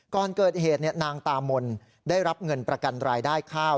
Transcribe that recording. ก่อนเกิดเหตุนางตามนได้รับเงินประกันรายได้ข้าว